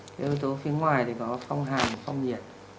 cái yếu tố phía ngoài thì có phong hàm phong nhiệt